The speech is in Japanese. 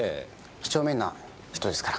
几帳面な人ですから。